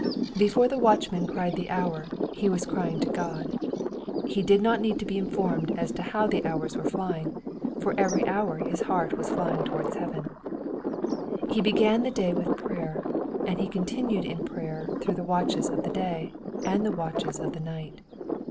Before the watchman cried the hour, he was crying to God. He did not need to be informed ns to how the hours were flying, for every hour his heart was flying towards heaven. He began the day with prayer, and he continued in prayer through the watches of the day, and the watches of the night.